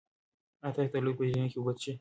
ایا تاسي د لوبې په جریان کې اوبه څښئ؟